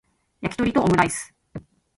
やきとりとオムライス